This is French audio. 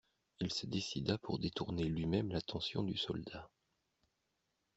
Il se décida pour détourner lui-même l'attention du soldat.